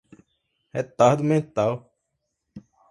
retardo mental